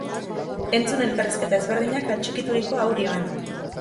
Entzun elkarrizketa ezberdinak atxikituriko audioan!